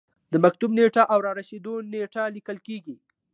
د مکتوب نیټه او رسیدو نیټه لیکل کیږي.